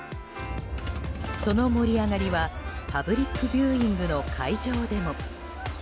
その盛り上がりはパブリックビューイングの会場でも。